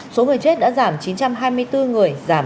số người chết đã giảm chín trăm hai mươi bốn người giảm một mươi hai một